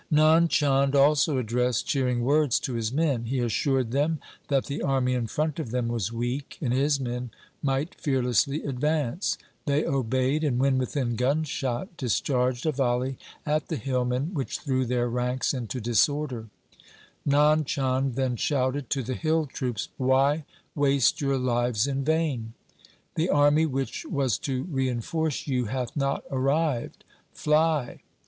Nand Chand also addressed cheering words to his men. He assured them that the army in front of them was weak, and his men might fearlessly advance. They obeyed, and when within gunshot discharged LIFE OF GURU GOBIND SINGH 29 a volley at the hillmen which threw their ranks into disorder. Nand Chand then shouted to the hill troops, ' Why waste your lives in vain ? The army which was to reinforce you hath not arrived. Fly